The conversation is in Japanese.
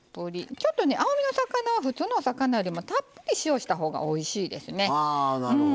ちょっと青みの魚は普通の魚よりもたっぷり塩をしたほうがおいしいですね。